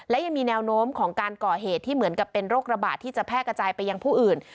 และยังมีแนวโน้มของการก่อเหตุที่เหมือนกับเป็นโรคระบาดที่จะแพร่กระจายไปยังผู้อื่น